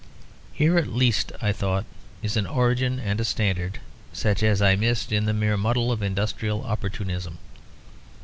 Here at least, I thought, is an origin and a standard, such as I missed in the mere muddle of industrial opportunism.